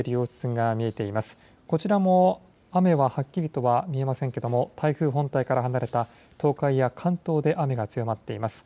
こちらも雨ははっきりとは見えませんけれども、台風本体から離れた東海や関東で雨が強まっています。